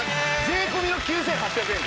税込９８００円。